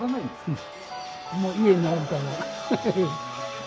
うん。